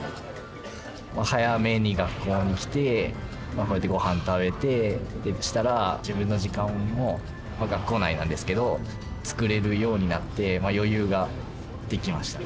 早めに学校に来てこうやってごはん食べてってしたら自分の時間もまあ学校内なんですけど作れるようになって余裕ができました。